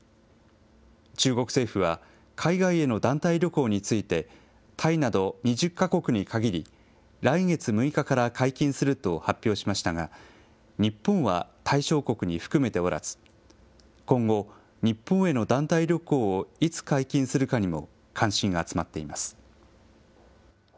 中国政府は、海外への団体旅行について、タイなど２０か国に限り、来月６日から解禁すると発表しましたが、日本は対象国に含めておらず、今後、日本への団体旅行をいつ解禁するかにも関心が集まっています。